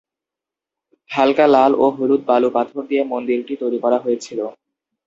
হালকা লাল ও হলুদ বালু পাথর দিয়ে মন্দিরটি তৈরি করা হয়েছিল।